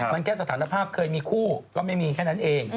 มันแค่สถานภาพเคยมีคู่ก็ไม่มีแค่นั้นเอง